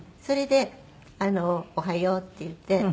それで「おはよう」って言って。